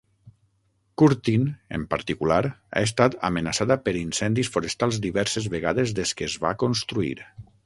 Curtin, en particular, ha estat amenaçada per incendis forestals diverses vegades des que es va construir.